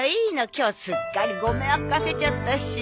今日すっかりご迷惑かけちゃったし。